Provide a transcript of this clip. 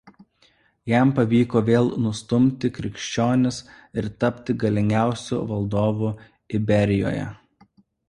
Jam pavyko vėl nustumti krikščionis ir tapti galingiausiu valdovu Iberijoje.